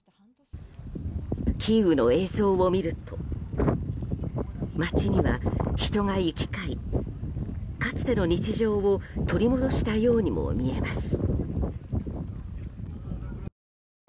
キーウの映像を見ると街には人が行き交いかつての日常を取り戻したようにも見えます。